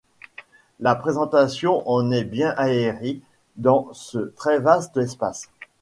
La présentation en est bien aérée dans ce très vaste espace.